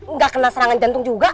nggak kena serangan jantung juga